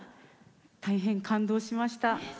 大変、感動しました。